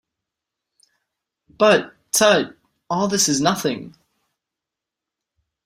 But, tut, all this is nothing!